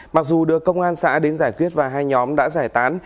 mặc dù được công an xã đến giải quyết và hai nhóm đã giải tán